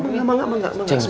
enggak enggak enggak